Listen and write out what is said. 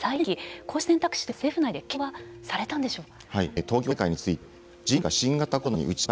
こうした選択肢は政府内で検討はされたんでしょうか。